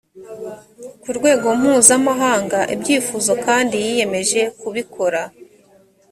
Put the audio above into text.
ku rwego mpuzamahanga ibyifuza kandi yiyemeje kubikora